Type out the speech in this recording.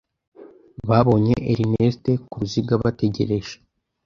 Babonye Ernest ku ruziga bategereje